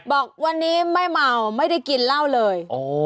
บอกวันนี้ไม่เมาไม่ได้กินเหล้าเลย